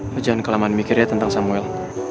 lo jangan kelamaan mikir ya tentang samuel